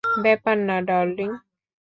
ব্যাপার না, ডার্লিং।